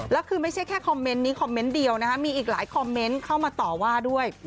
แล้วคือไม่ใช่แค่คอมเมนต์นี้คอมเมนต์เดียวนะคะมีอีกหลายคอมเมนต์เข้ามาต่อว่าด้วย